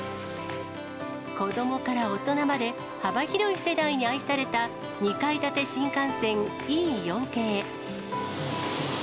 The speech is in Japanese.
子どもから大人まで、幅広い世代に愛された、２階建て新幹線Ｅ４系。